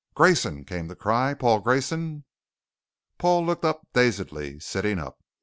"Grayson" came the cry. "Paul Grayson!" Paul looked up dazedly, sitting up.